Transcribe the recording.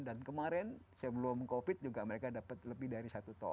dan kemarin sebelum covid mereka dapat lebih dari satu ton